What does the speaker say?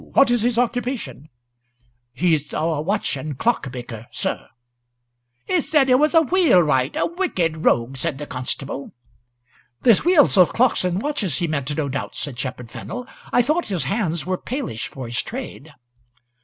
What is his occupation?" "He's a watch and clock maker, sir." "'A said 'a was a wheelwright a wicked rogue," said the constable. "The wheels o' clocks and watches he meant, no doubt," said Shepherd Fennel. "I thought his hands were palish for's trade."